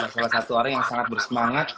salah satu orang yang sangat bersemangat